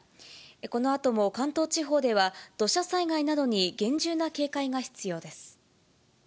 このあとも関東地方では土砂災害などに厳重な警戒が必要です。